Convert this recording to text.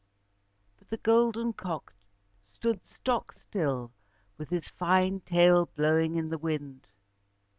But the golden cock stood stock still, with his fine tail blowing in the wind.